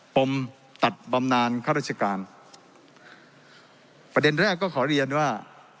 ปมตัดบำนานข้าราชการประเด็นแรกก็ขอเรียนว่า